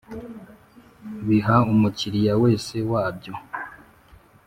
Biha umukiriya wese wabyo